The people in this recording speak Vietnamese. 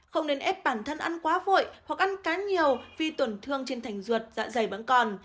không nên ép bản thân ăn quá vội hoặc ăn cá nhiều vì tổn thương trên thành ruột dạ dày vẫn còn